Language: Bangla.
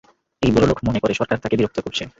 এই বুড়ো লোক মনে করে, সরকার তাকে বিরক্ত করছে।